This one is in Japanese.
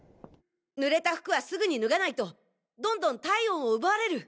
濡れた服はすぐに脱がないとどんどん体温を奪われる！